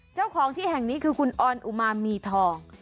เจ้าของที่แห่งนี้คือคุณออนอุมามีทอง